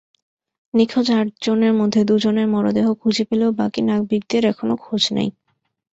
নিখোঁজ আটজনের মধ্যে দুজনের মরদেহ খুঁজে পেলেও বাকি নাবিকদের এখনো খোঁজ নেই।